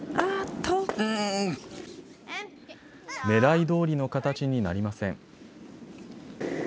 ねらいどおりの形になりません。